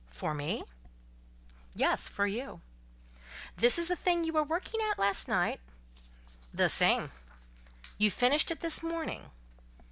"For me?" "Yes, for you." "This is the thing you were working at last night?" "The same." "You finished it this morning?"